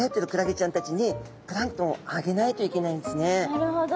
なるほど。